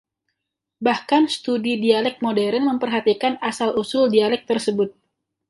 Bahkan studi dialek modern memperhatikan asal-usul dialek tersebut.